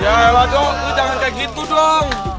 jelah dong lo jangan kayak gitu dong